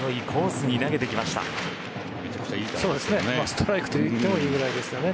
ストライクと言ってもいいぐらいですよね。